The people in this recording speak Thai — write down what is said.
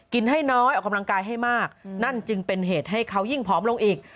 ให้น้อยออกกำลังกายให้มากนั่นจึงเป็นเหตุให้เขายิ่งผอมลงอีก